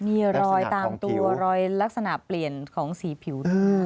มีรอยตามตัวรอยลักษณะเปลี่ยนของสีผิวด้วย